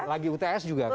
lagi uts juga kan